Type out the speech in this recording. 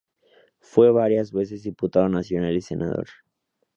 Fue varias veces diputado nacional y senador.